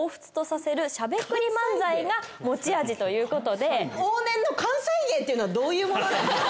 爛々さんは往年の関西芸というのはどういうものなんですか？